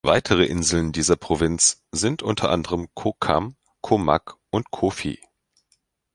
Weitere Inseln dieser Provinz sind unter anderem Ko Kham, Ko Mak, Ko Phi.